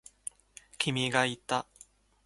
君がいた。